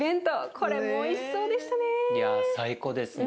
これもおいしそうでしたね。